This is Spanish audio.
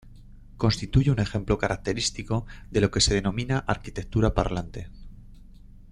Constituye un ejemplo característico de lo que se denomina arquitectura parlante.